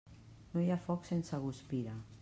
No hi ha foc sense guspira.